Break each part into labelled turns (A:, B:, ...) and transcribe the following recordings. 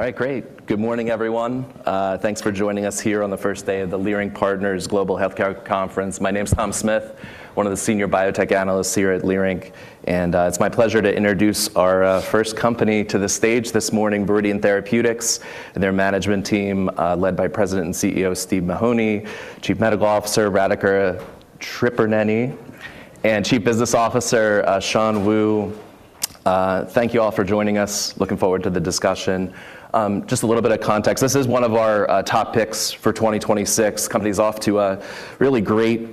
A: All right, great. Good morning, everyone. Thanks for joining us here on the first day of the Leerink Partners Global Healthcare Conference. My name is Tom Smith, one of the senior biotech analysts here at Leerink. It's my pleasure to introduce our first company to the stage this morning, Viridian Therapeutics, and their management team, led by President and CEO Steve Mahoney, Chief Medical Officer Radhika Tripuraneni, and Chief Business Officer, Shan Wu. Thank all for joining us. Looking forward to the discussion. Just a little bit of context. This is one of our top picks for 2026. Company's off to a really great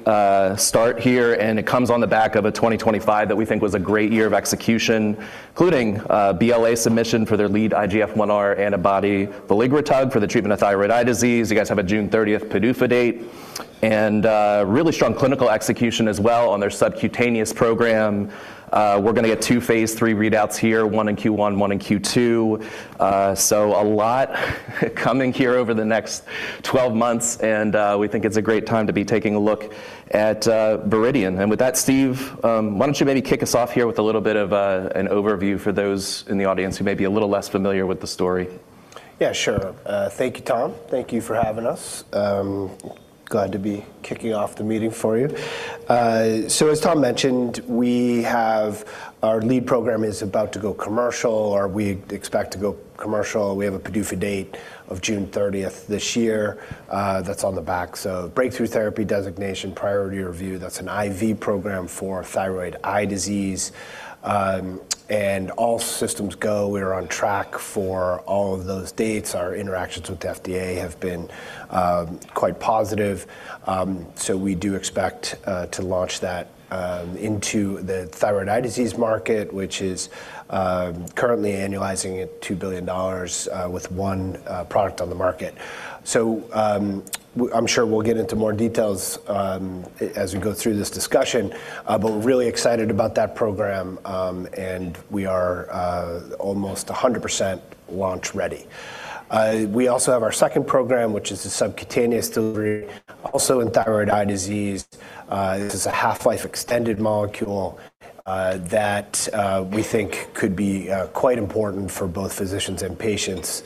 A: start here. It comes on the back of a 2025 that we think was a great year of execution, including BLA submission for their lead IGF-IR antibody, veligrotug, for the treatment of thyroid eye disease. You guys have a June 30th PDUFA date. Really strong clinical execution as well on their subcutaneous program. We're gonna get two phase III readouts here, one in Q1, one in Q2. A lot coming here over the next 12 months. We think it's a great time to be taking a look at Viridian. With that, Steve, why don't you maybe kick us off here with a little bit of an overview for those in the audience who may be a little less familiar with the story?
B: Yeah, sure. Thank you, Tom. Thank you for having us. Glad to be kicking off the meeting for you. As Tom mentioned, our lead program is about to go commercial, or we expect to go commercial. We have a PDUFA date of June thirtieth this year. That's on the back. Breakthrough Therapy designation, Priority Review. That's an IV program for thyroid eye disease, and all systems go. We are on track for all of those dates. Our interactions with the FDA have been quite positive. We do expect to launch that into the thyroid eye disease market, which is currently annualizing at $2 billion with one product on the market. I'm sure we'll get into more details as we go through this discussion, but we're really excited about that program, and we are almost 100% launch-ready. We also have our second program, which is a subcutaneous delivery, also in thyroid eye disease. This is a half-life extended molecule that we think could be quite important for both physicians and patients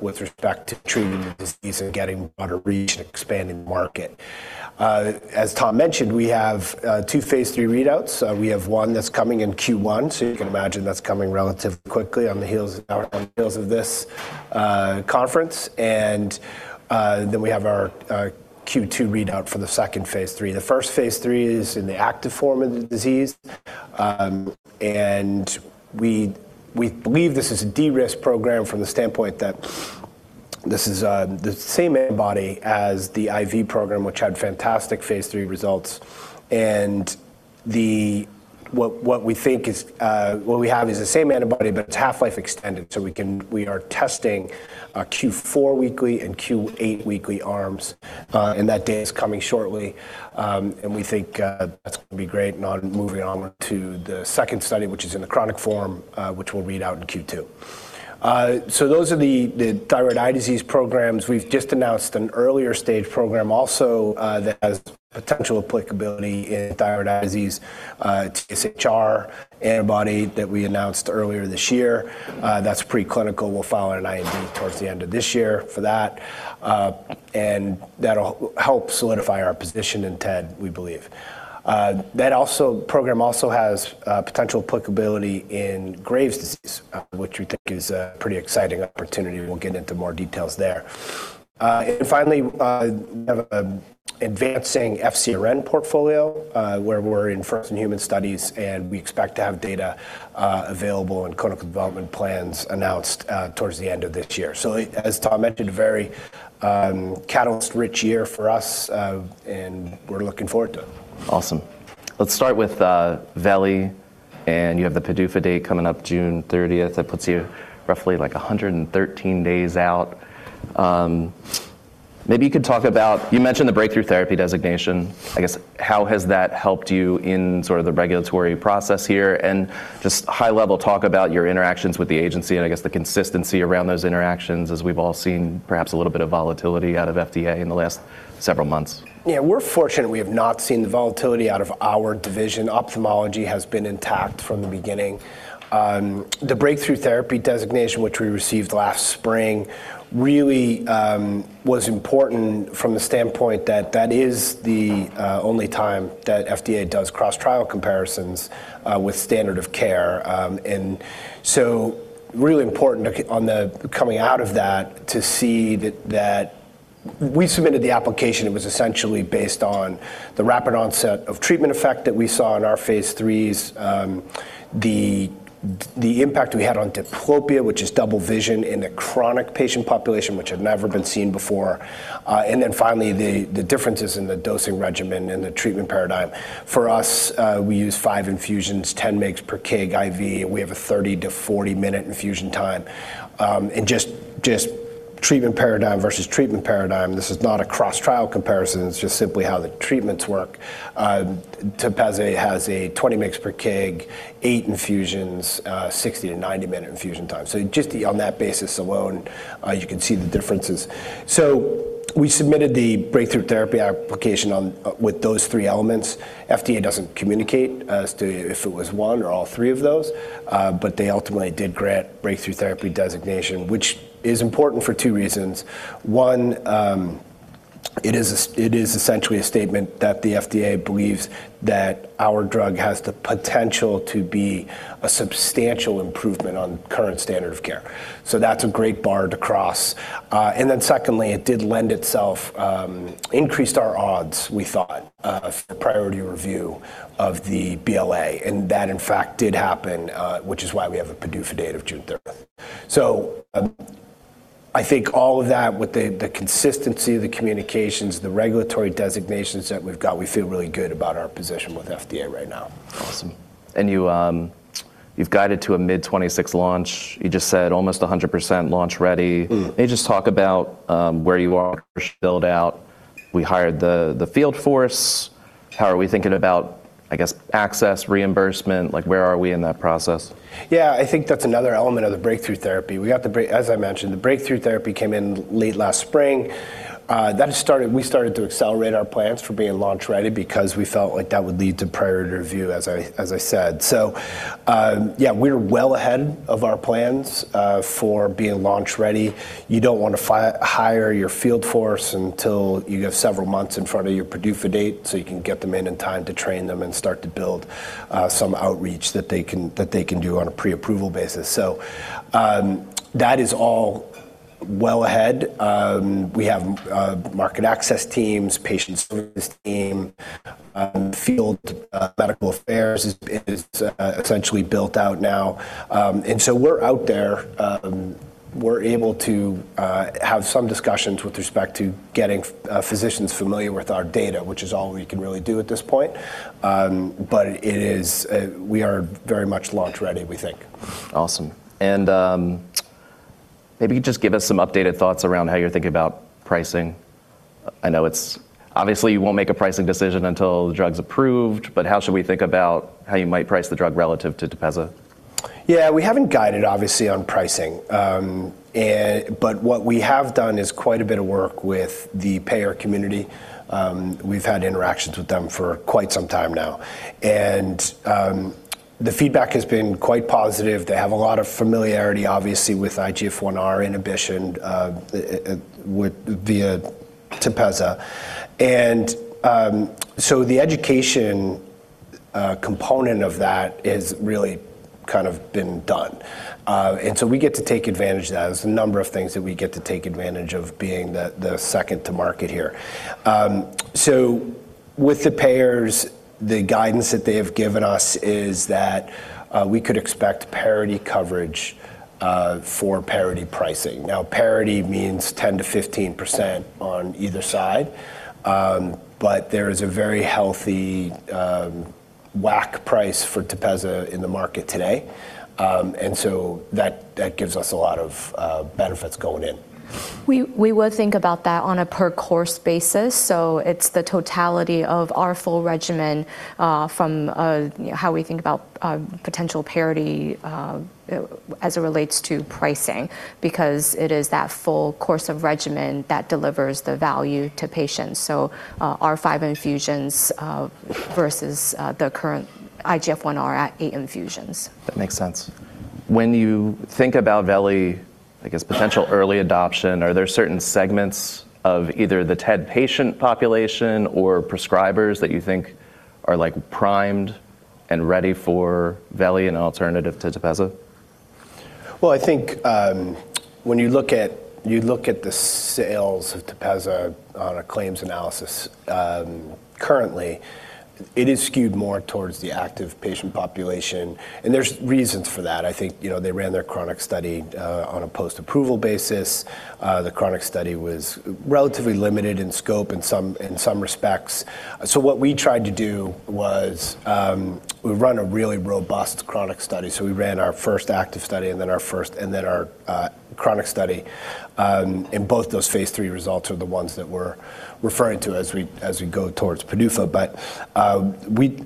B: with respect to treating the disease and getting on a region expanding market. As Tom mentioned, we have two phase III readouts. We have one that's coming in Q1, you can imagine that's coming relatively quickly on the heels of this conference. We have our Q2 readout for the second phase III. The first phase III is in the active form of the disease, we believe this is a de-risk program from the standpoint that this is the same antibody as the IV program, which had fantastic phase III results. What we have is the same antibody, but it's half-life extended, we are testing Q4 weekly and Q8 weekly arms, that data's coming shortly. We think that's gonna be great. Moving on to the second study, which is in the chronic form, which we'll read out in Q2. Those are the thyroid eye disease programs. We've just announced an earlier stage program also, that has potential applicability in thyroid eye disease, TSHR antibody that we announced earlier this year. That's preclinical. We'll file an IND towards the end of this year for that. That'll help solidify our position in TED, we believe. That program also has potential applicability in Graves' disease, which we think is a pretty exciting opportunity. We'll get into more details there. Finally, we have advancing FcRn portfolio, where we're in first in human studies, and we expect to have data available and clinical development plans announced towards the end of this year. As Tom mentioned, very catalyst-rich year for us, and we're looking forward to it.
A: Awesome. Let's start with veligrotug, and you have the PDUFA date coming up June 30th. That puts you roughly like 113 days out. Maybe you could talk about You mentioned the Breakthrough Therapy designation. I guess, how has that helped you in sort of the regulatory process here? Just high-level talk about your interactions with the agency and I guess the consistency around those interactions, as we've all seen perhaps a little bit of volatility out of FDA in the last several months.
B: Yeah. We're fortunate we have not seen the volatility out of our division. Ophthalmology has been intact from the beginning. The Breakthrough Therapy designation, which we received last spring, really was important from the standpoint that that is the only time that FDA does cross-trial comparisons with standard of care. Really important on the coming out of that to see that we submitted the application, it was essentially based on the rapid onset of treatment effect that we saw in our phase 3s, the impact we had on diplopia, which is double vision in a chronic patient population, which had never been seen before, and then finally, the differences in the dosing regimen and the treatment paradigm. For us, we use five infusions, 10 mgs per kg IV. We have a 30 to 40-minute infusion time. Just, just treatment paradigm versus treatment paradigm, this is not a cross-trial comparison, it's just simply how the treatments work. TEPEZZA has a 20 mgs per kg, 8 infusions, 60-90-minute infusion time. Just on that basis alone, you can see the differences. We submitted the Breakthrough Therapy application on, with those three elements. FDA doesn't communicate as to if it was one or all three of those, but they ultimately did grant Breakthrough Therapy designation, which is important for two reasons. One, it is essentially a statement that the FDA believes that our drug has the potential to be a substantial improvement on current standard of care. That's a great bar to cross. Secondly, it did lend itself, increased our odds, we thought, of the priority review of the BLA. That in fact did happen, which is why we have a PDUFA date of June third. I think all of that with the consistency of the communications, the regulatory designations that we've got, we feel really good about our position with FDA right now.
A: Awesome. You, you've guided to a mid-2026 launch. You just said almost 100% launch-ready.
B: Mm.
A: Maybe just talk about where you are build out. We hired the field force. How are we thinking about, I guess, access, reimbursement? Like, where are we in that process?
B: I think that's another element of the Breakthrough Therapy. As I mentioned, the Breakthrough Therapy came in late last spring. We started to accelerate our plans for being launch-ready because we felt like that would lead to priority review, as I said. We're well ahead of our plans for being launch-ready. You don't wanna hire your field force until you have several months in front of your PDUFA date, so you can get them in in time to train them and start to build some outreach that they can, that they can do on a pre-approval basis. That is all well ahead. We have market access teams, patient service team, field medical affairs is essentially built out now. We're out there, we're able to have some discussions with respect to getting physicians familiar with our data, which is all we can really do at this point. It is, we are very much launch-ready, we think.
A: Awesome. maybe just give us some updated thoughts around how you're thinking about pricing. I know obviously, you won't make a pricing decision until the drug's approved, but how should we think about how you might price the drug relative to Tepezza?
B: uided obviously on pricing. But what we have done is quite a bit of work with the payer community. We've had interactions with them for quite some time now, and the feedback has been quite positive. They have a lot of familiarity, obviously, with IGF-1R inhibition via TEPEZZA. So the education component of that is really kind of been done. And so we get to take advantage of that. There's a number of things that we get to take advantage of being the second to market here. So with the payers, the guidance that they have given us is that we could expect parity coverage for parity pricing. Now, parity means 10%-15% on either side. There is a very healthy WAC price for Tepezza in the market today. That gives us a lot of benefits going in.
C: We would think about that on a per course basis, so it's the totality of our full regimen from how we think about potential parity as it relates to pricing, because it is that full course of regimen that delivers the value to patients, so our 5 infusions versus the current IGF-IR at 8 infusions.
A: That makes sense. When you think about Veli, I guess, potential early adoption, are there certain segments of either the TED patient population or prescribers that you think are, like, primed and ready for Veli, an alternative to Tepezza?
B: Well, I think, when you look at, you look at the sales of Tepezza on a claims analysis, currently it is skewed more towards the active patient population, and there's reasons for that. I think, you know, they ran their chronic study, on a post-approval basis. The chronic study was relatively limited in scope in some, in some respects. What we tried to do was, we've run a really robust chronic study. We ran our first active study, and then our chronic study, and both those phase III results are the ones that we're referring to as we, as we go towards PDUFA.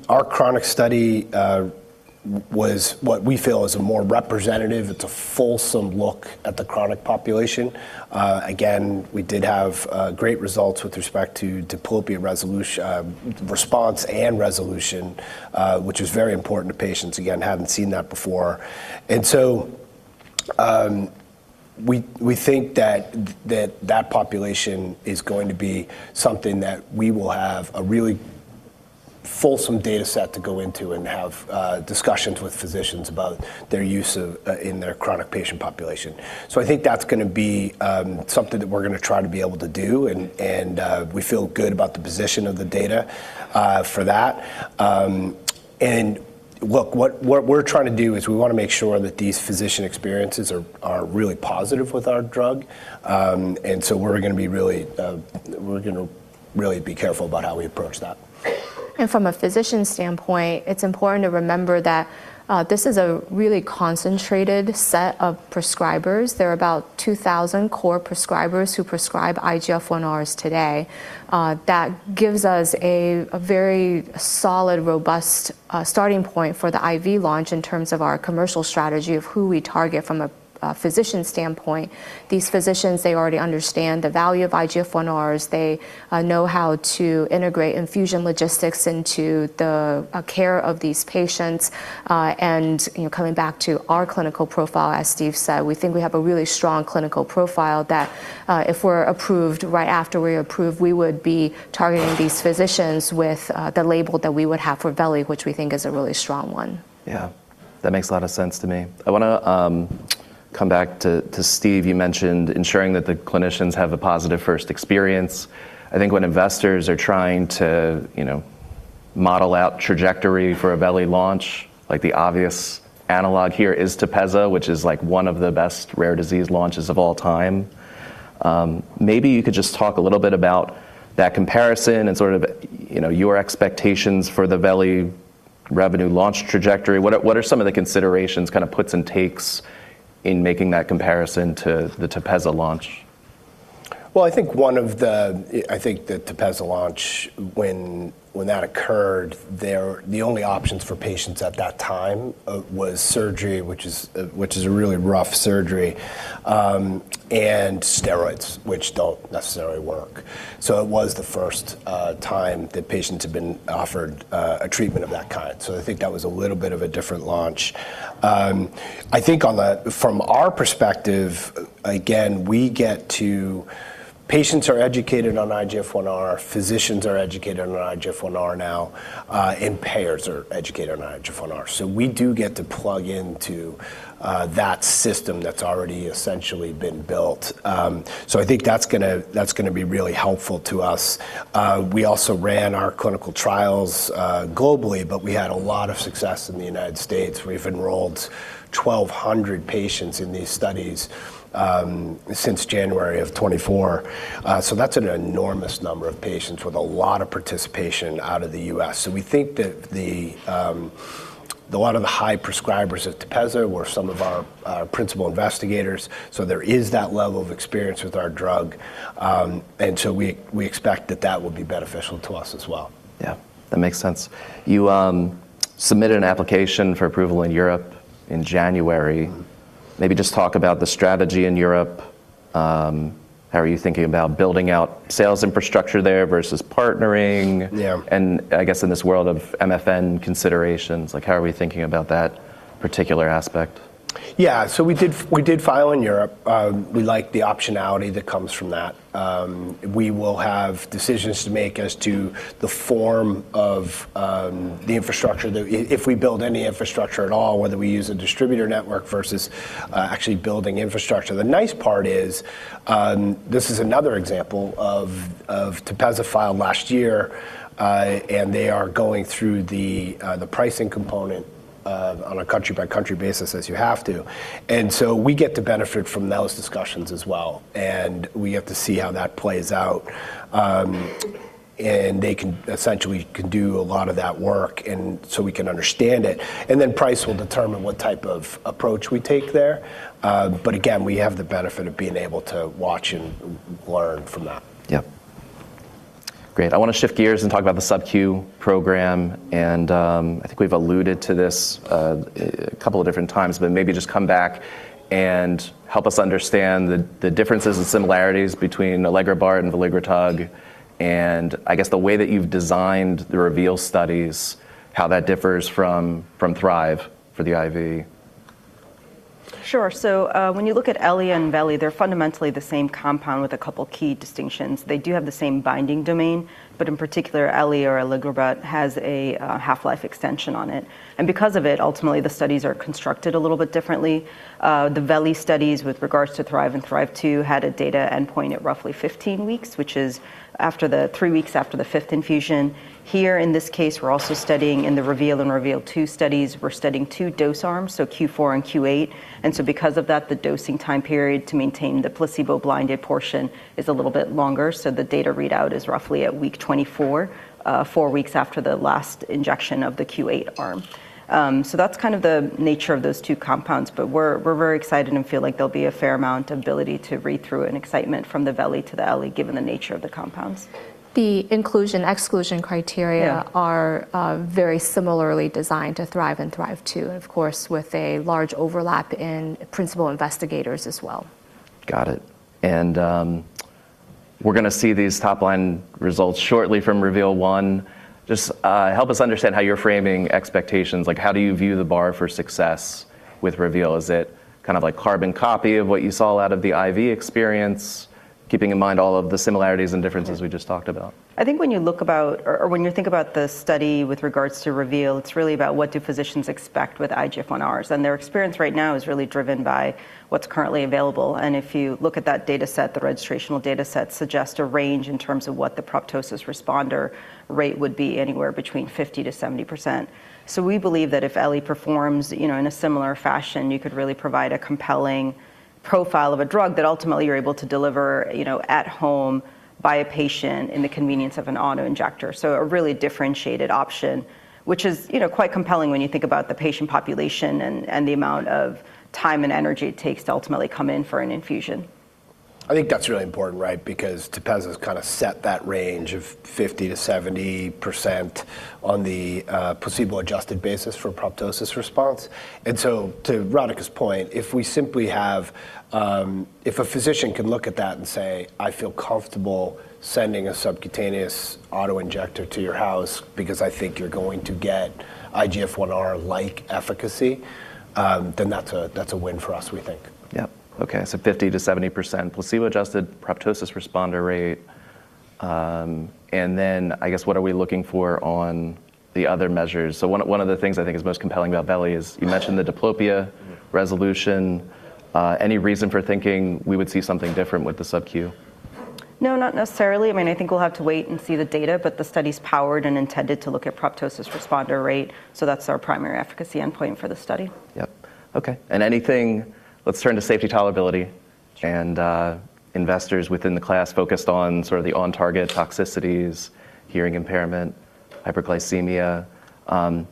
B: Our chronic study, was what we feel is a more representative, it's a fulsome look at the chronic population. Again, we did have great results with respect to diplopia response and resolution, which is very important to patients. Again, haven't seen that before. We, we think that that population is going to be something that we will have a really fulsome data set to go into and have discussions with physicians about their use of in their chronic patient population. I think that's gonna be something that we're gonna try to be able to do and we feel good about the position of the data for that. What, what we're trying to do is we wanna make sure that these physician experiences are really positive with our drug. We're gonna be really.
A: really be careful about how we approach that.
C: From a physician standpoint, it's important to remember that this is a really concentrated set of prescribers. There are about 2,000 core prescribers who prescribe IGF-1Rs today. That gives us a very solid, robust starting point for the IV launch in terms of our commercial strategy of who we target from a physician standpoint. These physicians, they already understand the value of IGF-1Rs. They know how to integrate infusion logistics into the care of these patients. You know, coming back to our clinical profile, as Steve said, we think we have a really strong clinical profile that if we're approved, right after we're approved, we would be targeting these physicians with the label that we would have for Veli, which we think is a really strong one.
A: Yeah. That makes a lot of sense to me. I wanna come back to Steve. You mentioned ensuring that the clinicians have a positive first experience. I think when investors are trying to, you know, model out trajectory for a Veli launch, like the obvious analog here is TEPEZZA, which is like one of the best rare disease launches of all time. Maybe you could just talk a little bit about that comparison and sort of, you know, your expectations for the Veli revenue launch trajectory. What are some of the considerations, kinda puts and takes in making that comparison to the TEPEZZA launch?
B: Well, I think one of the, I think the TEPEZZA launch, when that occurred, the only options for patients at that time, was surgery, which is a really rough surgery, and steroids, which don't necessarily work. It was the first time that patients had been offered a treatment of that kind. I think that was a little bit of a different launch. I think From our perspective, again, Patients are educated on IGF-1R, physicians are educated on IGF-1R now, and payers are educated on IGF-1R. We do get to plug into that system that's already essentially been built. I think that's gonna be really helpful to us. We also ran our clinical trials globally, but we had a lot of success in the United States. We've enrolled 1,200 patients in these studies since January of 2024. That's an enormous number of patients with a lot of participation out of the US. We think that the lot of the high prescribers at TEPEZZA were some of our principal investigators, so there is that level of experience with our drug. We expect that that will be beneficial to us as well.
A: That makes sense. You submitted an application for approval in Europe in January.
B: Mm-hmm.
A: Maybe just talk about the strategy in Europe, how are you thinking about building out sales infrastructure there versus partnering?
B: Yeah.
A: I guess in this world of MFN considerations, like, how are we thinking about that particular aspect?
B: We did we did file in Europe. We like the optionality that comes from that. We will have decisions to make as to the form of the infrastructure, if we build any infrastructure at all, whether we use a distributor network versus actually building infrastructure. The nice part is, this is another example of Tepezza filed last year, and they are going through the pricing component on a country-by-country basis, as you have to. We get to benefit from those discussions as well, and we have to see how that plays out. Essentially can do a lot of that work and so we can understand it. Then price will determine what type of approach we take there. Again, we have the benefit of being able to watch and learn from that.
A: Yep. Great. I wanna shift gears and talk about the SubQ program, and I think we've alluded to this a couple of different times, but maybe just come back and help us understand the differences and similarities between elegrobart and veligrotug, and I guess the way that you've designed the REVEAL studies, how that differs from THRIVE for the IV.
D: Sure. When you look at Elenbe and Veli, they're fundamentally the same compound with a couple key distinctions. They do have the same binding domain, but in particular, Elenbe or elegrobart has a half-life extension on it. Because of it, ultimately, the studies are constructed a little bit differently. The Veli studies with regards to THRIVE and THRIVE 2 had a data endpoint at roughly 15 weeks, which is after the three weeks after the fifth infusion. Here in this case, we're also studying in the REVEAL and REVEAL 2 studies, we're studying two dose arms, so Q4 and Q8. Because of that, the dosing time period to maintain the placebo-blinded portion is a little bit longer, so the data readout is roughly at week 24, four weeks after the last injection of the Q8 arm. That's kind of the nature of those two compounds, we're very excited and feel like there'll be a fair amount of ability to read through and excitement from the Veli to the Elenbe, given the nature of the compounds.
C: The inclusion/exclusion criteria
D: Yeah
C: ...are very similarly designed to THRIVE and THRIVE-2, and of course, with a large overlap in principal investigators as well.
A: Got it. We're gonna see these top-line results shortly from REVEAL-1. Just help us understand how you're framing expectations, like how do you view the bar for success with REVEAL? Is it kind of like carbon copy of what you saw out of the IV experience, keeping in mind all of the similarities and differences we just talked about?
D: I think when you look about, or when you think about the study with regards to REVEAL, it's really about what do physicians expect with IGF-1Rs, and their experience right now is really driven by what's currently available. If you look at that data set, the registrational data set suggests a range in terms of what the proptosis responder rate would be anywhere between 50%-70%. We believe that if Elenbe performs, you know, in a similar fashion, you could really provide a compelling profile of a drug that ultimately you're able to deliver, you know, at home by a patient in the convenience of an autoinjector. A really differentiated option, which is, you know, quite compelling when you think about the patient population and the amount of time and energy it takes to ultimately come in for an infusion.
B: I think that's really important, right? Because TEPEZZA's kind of set that range of 50%-70% on the placebo-adjusted basis for proptosis response. To Radhika's point, if we simply have, if a physician can look at that and say, "I feel comfortable sending a subcutaneous autoinjector to your house because I think you're going to get IGF-1R-like efficacy," then that's a, that's a win for us, we think.
A: Yep. Okay. 50%-70% placebo-adjusted proptosis responder rate. I guess, what are we looking for on the other measures? One of the things I think is most compelling about veligrotug is you mentioned the diplopia resolution. Any reason for thinking we would see something different with the subQ?
D: No, not necessarily. I mean, I think we'll have to wait and see the data, but the study's powered and intended to look at proptosis responder rate, so that's our primary efficacy endpoint for the study.
A: Yep. Okay. Let's turn to safety tolerability and investors within the class focused on sort of the on-target toxicities, hearing impairment, hyperglycemia.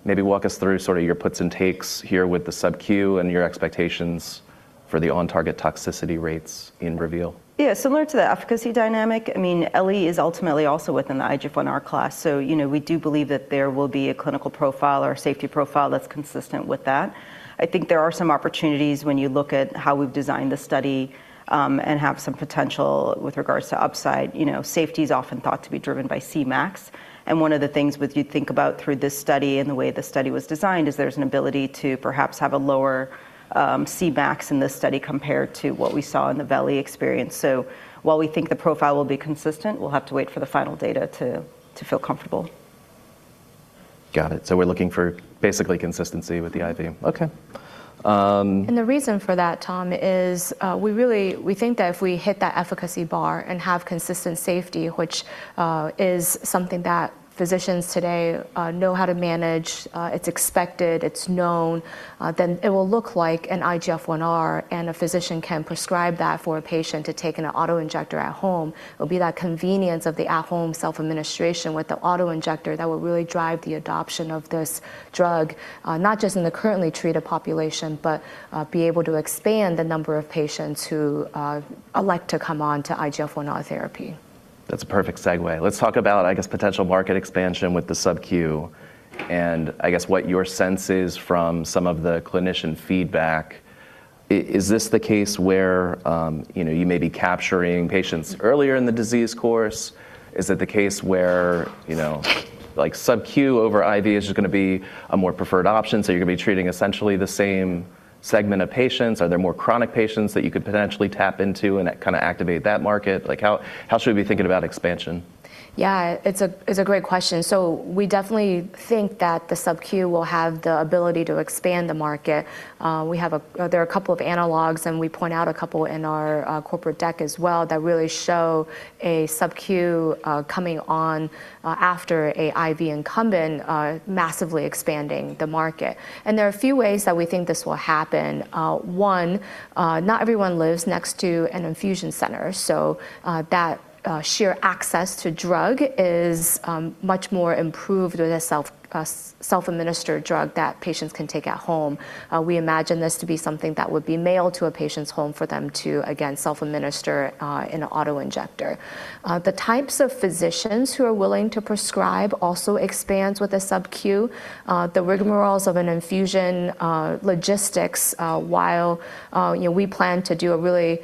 A: Maybe walk us through sort of your puts and takes here with the subQ and your expectations for the on-target toxicity rates in REVEAL.
D: Similar to the efficacy dynamic, I mean, elegrobart is ultimately also within the IGF-1R class, you know, we do believe that there will be a clinical profile or safety profile that's consistent with that. I think there are some opportunities when you look at how we've designed the study, and have some potential with regards to upside. You know, safety is often thought to be driven by Cmax, one of the things which you'd think about through this study and the way this study was designed is there's an ability to perhaps have a lower Cmax in this study compared to what we saw in the Veli experience. While we think the profile will be consistent, we'll have to wait for the final data to feel comfortable.
A: Got it. We're looking for basically consistency with the IV. Okay.
C: The reason for that, Tom, is, we think that if we hit that efficacy bar and have consistent safety, which is something that physicians today know how to manage, it's expected, it's known, then it will look like an IGF-1R and a physician can prescribe that for a patient to take in a autoinjector at home. It'll be that convenience of the at-home self-administration with the autoinjector that will really drive the adoption of this drug, not just in the currently treated population, but be able to expand the number of patients who elect to come on to IGF-1R therapy.
A: That's a perfect segue. Let's talk about, I guess, potential market expansion with the subQ and I guess what your sense is from some of the clinician feedback. Is this the case where, you know, you may be capturing patients earlier in the disease course? Is it the case where, you know, like subQ over IV is just gonna be a more preferred option, so you're gonna be treating essentially the same segment of patients? Are there more chronic patients that you could potentially tap into and kind of activate that market? Like how should we be thinking about expansion?
C: It's a great question. We definitely think that the subQ will have the ability to expand the market. We have a couple of analogs, and we point out a couple in our corporate deck as well that really show a subQ coming on after a IV incumbent, massively expanding the market. There are a few ways that we think this will happen. One, not everyone lives next to an infusion center, that sheer access to drug is much more improved with a self-administered drug that patients can take at home. We imagine this to be something that would be mailed to a patient's home for them to, again, self-administer in a autoinjector. The types of physicians who are willing to prescribe also expands with the subQ. The rigamaroles of an infusion logistics while you know, we plan to do a really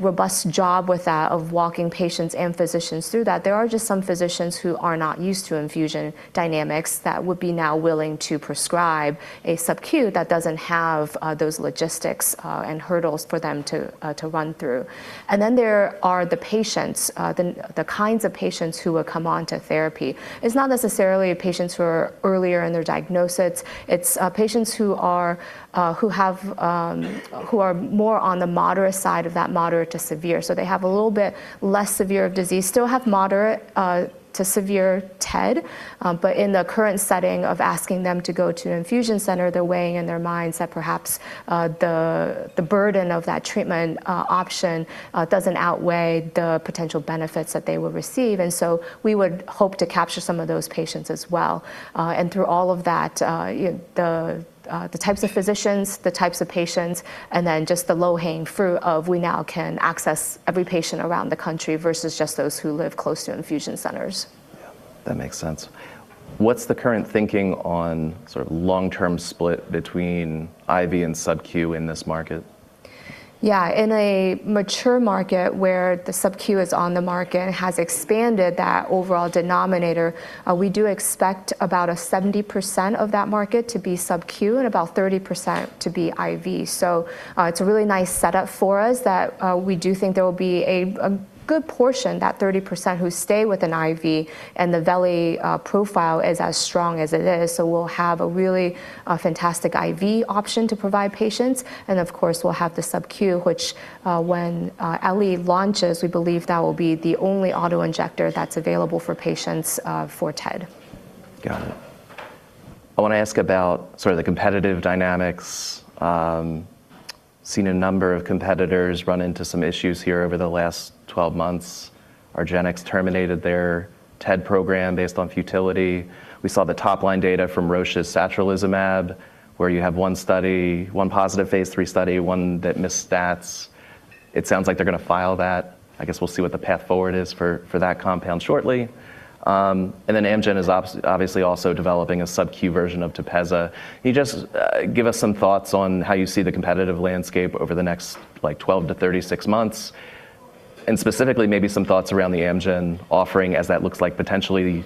C: robust job with that of walking patients and physicians through that, there are just some physicians who are not used to infusion dynamics that would be now willing to prescribe a subQ that doesn't have those logistics and hurdles for them to run through. There are the patients, the kinds of patients who will come onto therapy. It's not necessarily patients who are earlier in their diagnosis. It's patients who are who have who are more on the moderate side of that moderate to severe. They have a little bit less severe of disease, still have moderate to severe TED, but in the current setting of asking them to go to an infusion center, they're weighing in their minds that perhaps the burden of that treatment option doesn't outweigh the potential benefits that they will receive. We would hope to capture some of those patients as well. Through all of that, the types of physicians, the types of patients, and then just the low-hanging fruit of we now can access every patient around the country versus just those who live close to infusion centers.
A: Yeah. That makes sense. What's the current thinking on sort of long-term split between IV and subQ in this market?
C: In a mature market where the subQ is on the market and has expanded that overall denominator, we do expect about a 70% of that market to be subQ and about 30% to be IV. It's a really nice setup for us that, we do think there will be a good portion, that 30% who stay with an IV, and the Veli profile is as strong as it is. We'll have a really, fantastic IV option to provide patients, and of course, we'll have the subQ, which, when, elegrobart launches, we believe that will be the only autoinjector that's available for patients, for TED.
A: Got it. I wanna ask about sort of the competitive dynamics. Seen a number of competitors run into some issues here over the last 12 months. argenx terminated their TED program based on futility. We saw the top line data from Roche's satralizumab, where you have one positive phase III study, one that missed stats. It sounds like they're gonna file that. I guess we'll see what the path forward is for that compound shortly. Amgen is obviously also developing a sub Q version of TEPEZZA. Can you just give us some thoughts on how you see the competitive landscape over the next like 12-36 months, and specifically maybe some thoughts around the Amgen offering as that looks like potentially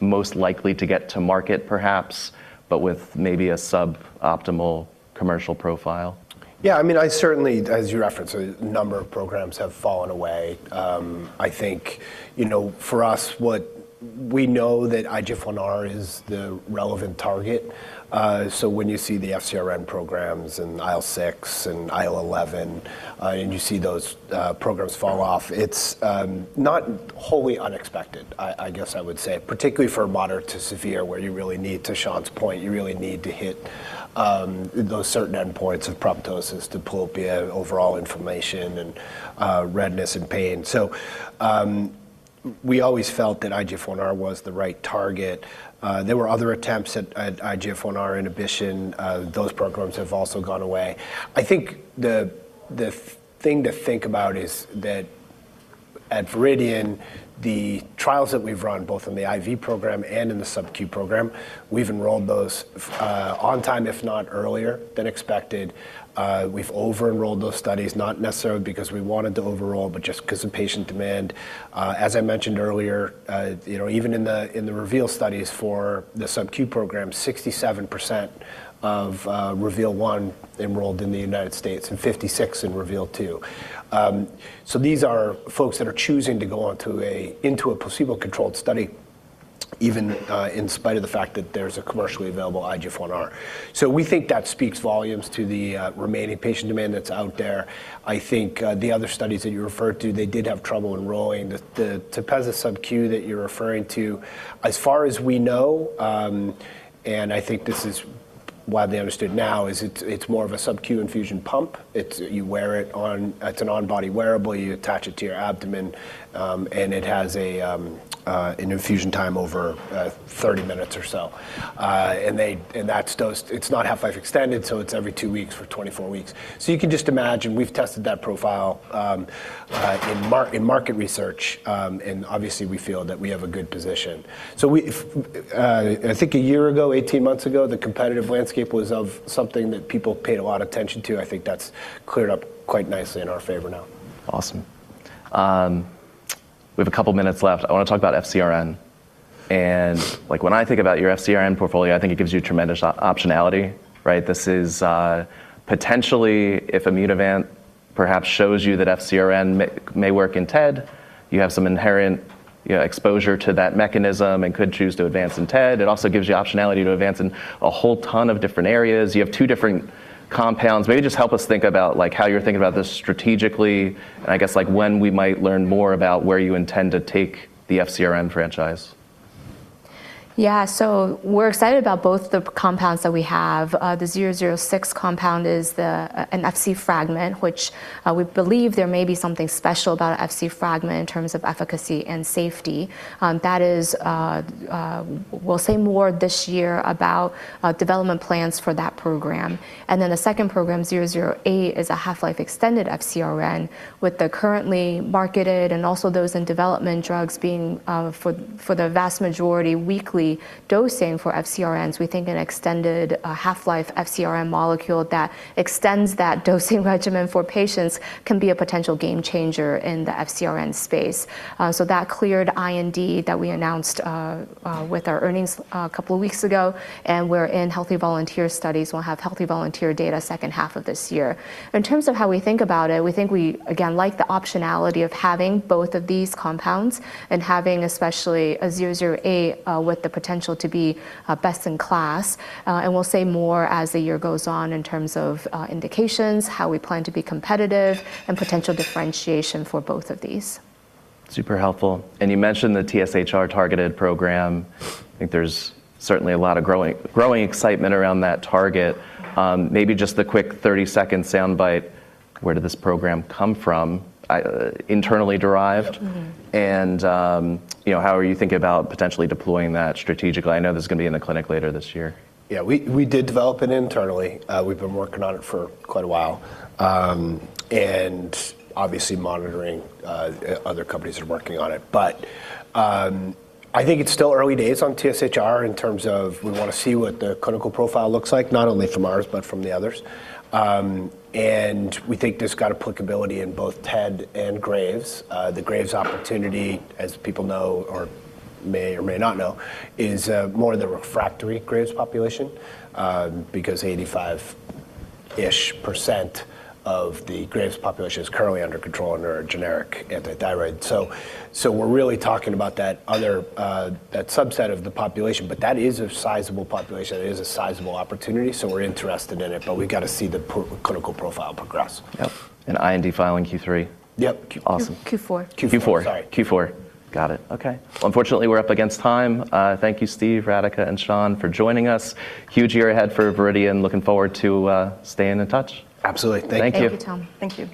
A: most likely to get to market perhaps, but with maybe a sub-optimal commercial profile?
B: Yeah, I mean, I certainly, as you referenced, a number of programs have fallen away. I think, you know, for us, what we know that IGFR is the relevant target. When you see the FcRn programs and IL-6 and IL-11, and you see those programs fall off, it's not wholly unexpected, I guess I would say, particularly for moderate to severe, where you really need, to Shan's point, you really need to hit, those certain endpoints of proptosis, diplopia, overall inflammation and redness and pain. We always felt that IGFR was the right target. There were other attempts at IGFR inhibition. Those programs have also gone away. I think the thing to think about is that at Viridian, the trials that we've run, both in the IV program and in the subQ program, we've enrolled those on time, if not earlier than expected. We've over-enrolled those studies, not necessarily because we wanted to over-enroll, but just 'cause of patient demand. As I mentioned earlier, you know, even in the REVEAL studies for the subQ program, 67% of REVEAL-1 enrolled in the United States and 56 in REVEAL-2. So these are folks that are choosing to go into a placebo-controlled study even in spite of the fact that there's a commercially available IGF-1R. So we think that speaks volumes to the remaining patient demand that's out there. I think the other studies that you referred to, they did have trouble enrolling. The TEPEZZA subQ that you're referring to, as far as we know, and I think this is widely understood now, it's more of a subQ infusion pump. It's an on-body wearable. You attach it to your abdomen, and it has an infusion time over 30 minutes or so. and that's dosed. It's not half-life extended, so it's every two weeks for 24 weeks. you can just imagine we've tested that profile in market research, and obviously we feel that we have a good position. If a year ago, 18 months ago, the competitive landscape was of something that people paid a lot attention to. I think that's cleared up quite nicely in our favor now.
A: Awesome. We have a couple of minutes left. I wanna talk about FcRn, and like, when I think about your FcRn portfolio, I think it gives you tremendous optionality, right? This is potentially, if Immunovant perhaps shows you that FcRn may work in TED, you have some inherent, you know, exposure to that mechanism and could choose to advance in TED. It also gives you optionality to advance in a whole ton of different areas. You have two different compounds. Maybe just help us think about, like, how you're thinking about this strategically, and I guess, like, when we might learn more about where you intend to take the FcRn franchise?
C: We're excited about both the compounds that we have. The 006 compound is an Fc fragment, which we believe there may be something special about an Fc fragment in terms of efficacy and safety. We'll say more this year about development plans for that program. The second program, 008, is a half-life extended FcRn with the currently marketed and also those in development drugs being for the vast majority, weekly dosing for FcRns. We think an extended half-life FcRn molecule that extends that dosing regimen for patients can be a potential game changer in the FcRn space. That cleared IND that we announced with our earnings a couple of weeks ago, and we're in healthy volunteer studies. We'll have healthy volunteer data second half of this year. In terms of how we think about it, we think we, again, like the optionality of having both of these compounds and having especially a VRDN-008 with the potential to be best in class. We'll say more as the year goes on in terms of indications, how we plan to be competitive and potential differentiation for both of these.
A: Super helpful. You mentioned the TSHR-targeted program. I think there's certainly a lot of growing excitement around that target. Maybe just a quick 30-second soundbite. Where did this program come from? Internally derived?
C: Mm-hmm.
A: You know, how are you thinking about potentially deploying that strategically? I know this is gonna be in the clinic later this year.
B: Yeah. We did develop it internally. We've been working on it for quite a while. And obviously monitoring, other companies are working on it. I think it's still early days on TSHR in terms of we wanna see what the clinical profile looks like, not only from ours, but from the others. And we think this got applicability in both TED and Graves'. The Graves' opportunity, as people know or may or may not know, is more the refractory Graves' population, because 85%-ish of the Graves' population is currently under control under a generic antithyroid. We're really talking about that other, that subset of the population, but that is a sizable population. That is a sizable opportunity, so we're interested in it, but we gotta see the clinical profile progress.
A: Yep. IND filing Q3.
B: Yep.
A: Awesome.
C: Q4.
B: Q4. Sorry.
A: Q4. Got it. Okay. Unfortunately, we're up against time. Thank you, Steve, Radhika, and Shan for joining us. Huge year ahead for Viridian. Looking forward to staying in touch.
B: Absolutely. Thank you.
C: Thank you, Tom. Thank you.